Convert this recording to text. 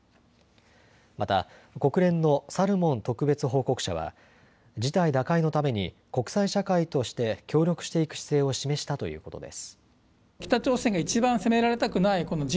また国連のサルモン特別報告者は事態打開のために国際社会として協力していく姿勢を示したということです。